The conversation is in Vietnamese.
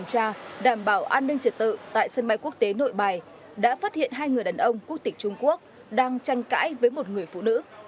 đảm bảo an ninh trật tự tại sân bay quốc tế nội bài đã phát hiện hai người đàn ông quốc tịch trung quốc đang tranh cãi với một người phụ nữ